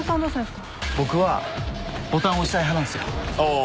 僕はボタンを押したい派なんですよ。